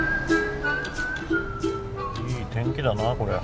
いい天気だなこりゃ。